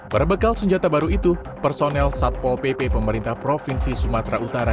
berbekal senjata baru itu personel satpol pp pemerintah provinsi sumatera utara